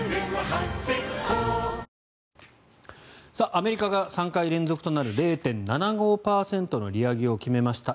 アメリカが３回連続となる０．７５％の利上げを決めました。